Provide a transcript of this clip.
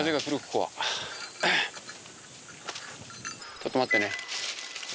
ちょっと待ってね。